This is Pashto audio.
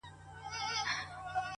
د ژوند کیفیت په فکر پورې تړلی،